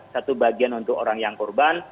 satu bagian untuk orang yang korban